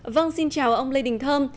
vâng xin chào ông lê đình thơm